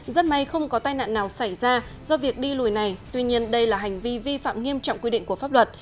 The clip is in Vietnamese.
rất may không có tai nạn nào xảy ra do việc đi lùi này tuy nhiên đây là hành vi vi phạm nghiêm trọng quy định của pháp luật